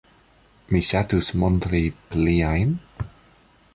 Mi ŝatus montri pliajn.